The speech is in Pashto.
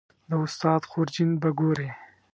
د استاد خورجین به ګورې